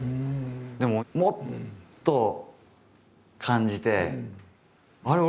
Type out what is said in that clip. でももっと感じてあれ？